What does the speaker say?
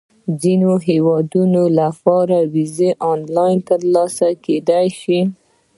د ځینو هیوادونو لپاره ویزه آنلاین ترلاسه کېدای شي.